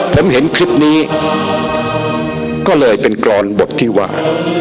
ผมเห็นคลิปนี้ก็เลยเป็นกรอนบทที่ว่า